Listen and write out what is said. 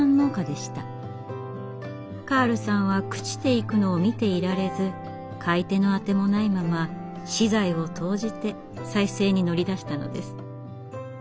カールさんは朽ちていくのを見ていられず買い手の当てもないまま私財を投じて再生に乗り出したのです。